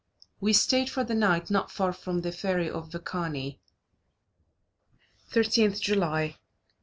We stayed for the night not far from the ferry of Vakani. 13th July.